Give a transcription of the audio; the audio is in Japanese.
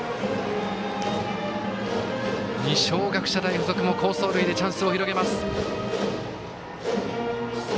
二松学舎大付属も好走塁でチャンスを広げます。